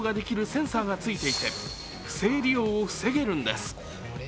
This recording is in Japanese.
センサーが付いていて不正利用を防げるんです。